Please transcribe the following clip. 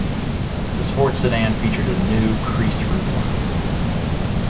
The Sport Sedan featured a new, creased roof line.